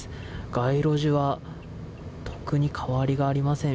街路樹は特に変わりがありません。